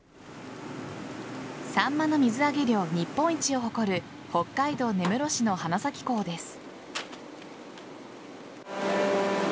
サンマの水揚げ量日本一を誇る北海道根室市の花咲港です。